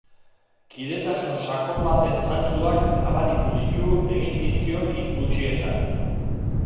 Kidetasun sakon baten zantzuak nabaritu ditu egin dizkion hitz gutxietan.